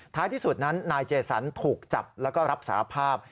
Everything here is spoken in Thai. ที่สุดนั้นนายเจสันถูกจับแล้วก็รับสารภาพ